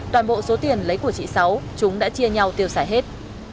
toàn bộ số tiền lấy của chị sáu chúng đã chia nhau tiêu xài hết